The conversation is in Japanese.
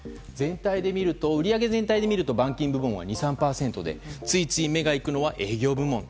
売上全体で見ると板金部門は２３％でついつい目が行くのは営業部門。